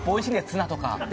ツナとかも。